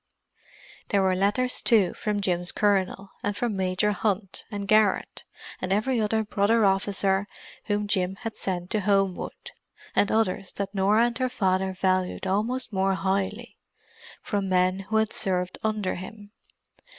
There were letters, too, from Jim's Colonel, and from Major Hunt, and Garrett, and every other brother officer whom Jim had sent to Homewood; and others that Norah and her father valued almost more highly—from men who had served under him.